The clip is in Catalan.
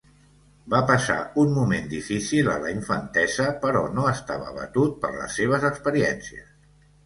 Va passar un moment difícil a la infantesa però no estava abatut per les seves experiències.